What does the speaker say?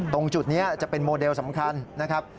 ตรงจุดนี้จะเป็นโมเดลสำคัญนะครับ